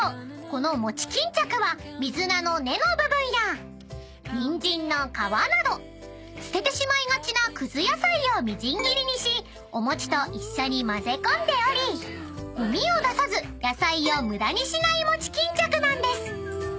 この餅巾着は水菜の根の部分やニンジンの皮など捨ててしまいがちなくず野菜をみじん切りにしお餅と一緒に混ぜ込んでおりごみを出さず野菜を無駄にしない餅巾着なんです］